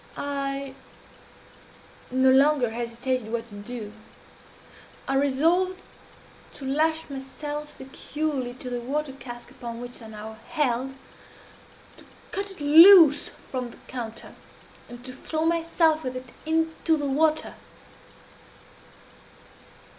"I no longer hesitated what to do. I resolved to lash myself securely to the water cask upon which I now held, to cut it loose from the counter, and to throw myself with it into the water.